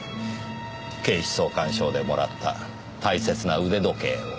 警視総監賞でもらった大切な腕時計を。